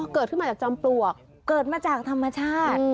เกิดขึ้นมาจากจอมปลวกเกิดมาจากธรรมชาติ